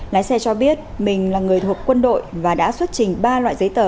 lái xe cho biết mình là người thuộc quân đội và đã xuất trình ba loại giấy tờ